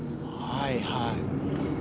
はいはい。